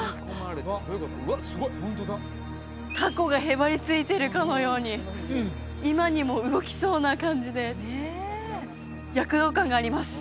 タコがへばりついてるかのように今にも動きそうな感じで躍動感があります